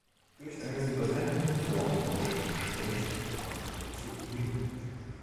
Durch einen brennenden Dornbusch spricht Gott zu ihm.